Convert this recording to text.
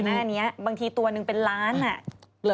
สวัสดีค่าข้าวใส่ไข่